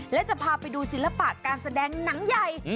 และจะพาไปดูศิลปะการแสดงหนังใหญ่